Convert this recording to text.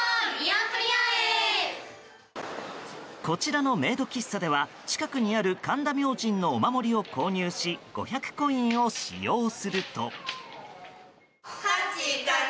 こちらのメイド喫茶では近くにある神田明神のお守りを購入し５００コインを使用すると。